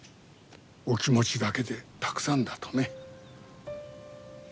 お気持ちだけでたくさんだとね。